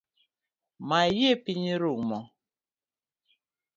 Mayie piny rumo